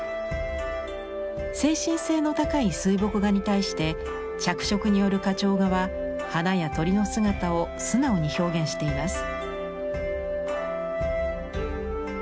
精神性の高い水墨画に対して着色による花鳥画は花や鳥の姿を素直に表現しています。